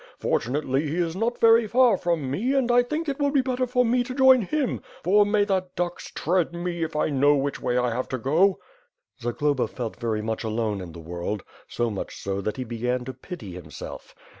Fortunately, he is not very far from me and I think it will be better for me to join him, for may the ducks tread me if I know which way I have to go.'' Zagloba felt very much alone in the world, so much so that he began to pity himself.